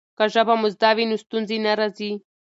که ژبه مو زده وي نو ستونزې نه راځي.